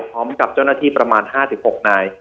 พร้อมกับเจ้าหน้าที่ประมาณ๕๖นาย